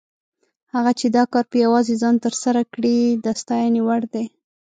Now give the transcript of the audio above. هغه چې دا کار په یوازې ځان تر سره کړی، د ستاینې وړ دی.